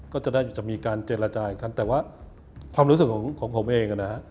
ก็จะได้จะมีการเจรจากันแต่ว่าความรู้สึกของผมเองนะฮะ